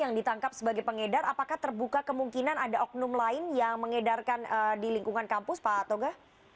yang ditangkap sebagai pengedar apakah terbuka kemungkinan ada oknum lain yang mengedarkan di lingkungan kampus pak toga